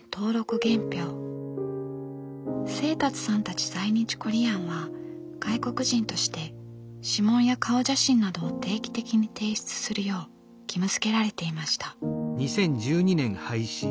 清達さんたち在日コリアンは外国人として指紋や顔写真などを定期的に提出するよう義務づけられていました。